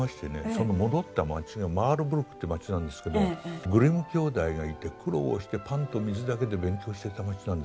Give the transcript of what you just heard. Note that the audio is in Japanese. その戻った町がマールブルクっていう町なんですけどグリム兄弟がいて苦労をしてパンと水だけで勉強をしていた町なんです。